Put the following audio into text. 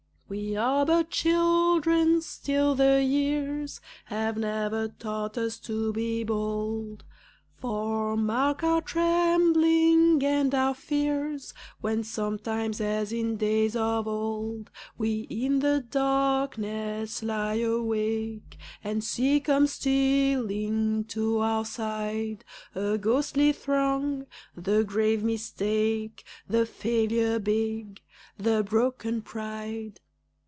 We are but children still, the years Have never taught us to be bold, For mark our trembling and our fears When sometimes, as in days of old, We in the darkness lie awake, And see come stealing to our side A ghostly throng the grave Mistake, The Failure big, the broken Pride.